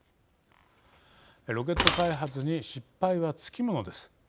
ロケット開発に失敗はつきものです。